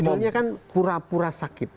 sebetulnya kan pura pura sakit